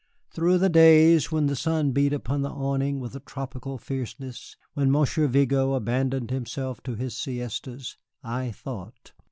Through the days, when the sun beat upon the awning with a tropical fierceness, when Monsieur Vigo abandoned himself to his siestas, I thought.